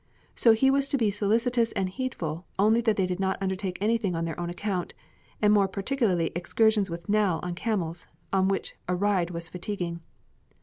So he was to be solicitous and heedful only that they did not undertake anything on their own account, and more particularly excursions with Nell on camels, on which a ride was fatiguing.